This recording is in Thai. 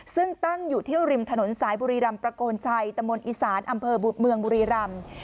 ซึ่งตั้งอยู่ที่ริมถนนสายบุรีรำประโกนชัยตมอิสานอบุรีรำ